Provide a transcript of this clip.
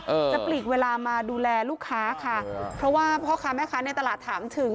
จะปลีกเวลามาดูแลลูกค้าค่ะเพราะว่าพ่อค้าแม่ค้าในตลาดถามถึง